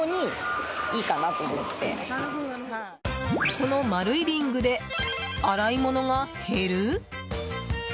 この丸いリングで洗い物が減る？